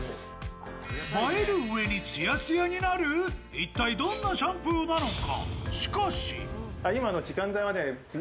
一体どんなシャンプーなのか？